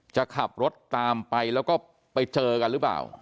จะขับรถตามไปแล้วก็ไปเจอกันหรือเปล่า